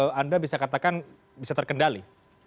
saat ini anda bisa katakan bisa terkendali